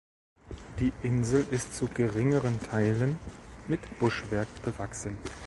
Die Insel ist zu geringeren Teilen mit Buschwerk bewachsen.